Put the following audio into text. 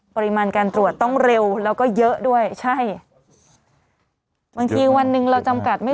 ปริมาณการตรวจต้องเร็วแล้วก็เยอะด้วยใช่บางทีวันหนึ่งเราจำกัดไม่